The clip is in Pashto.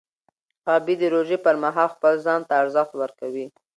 غابي د روژې پر مهال خپل ځان ته ارزښت ورکوي.